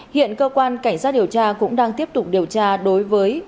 hiện cơ quan cảnh sát điều tra cũng đang tiếp tục điều tra đối với